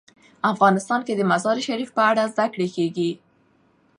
افغانستان کې د مزارشریف په اړه زده کړه کېږي.